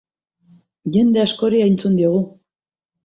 Jende askori entzun diogu.